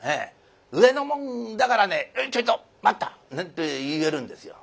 上の者だからね「ちょいと待った」なんて言えるんですよ。